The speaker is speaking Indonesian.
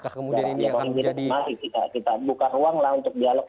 kita buka ruang untuk dialog